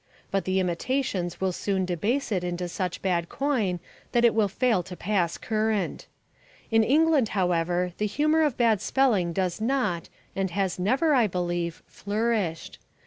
But the imitations will soon debase it into such bad coin that it will fail to pass current. In England, however, the humour of bad spelling does not and has never, I believe, flourished.